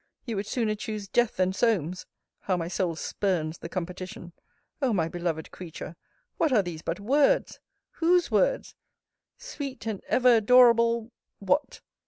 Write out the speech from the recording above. You would sooner choose death than Solmes. (How my soul spurns the competition!) O my beloved creature, what are these but words? Whose words? Sweet and ever adorable What?